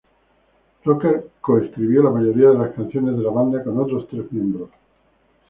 Rucker co-escribió la mayoría de las canciones de la banda con otros tres miembros.